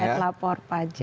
website lapor pajak